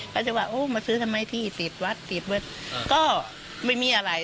เขาจะว่าโอ้มาซื้อทำไมที่ติดวัดติดวัดก็ไม่มีอะไร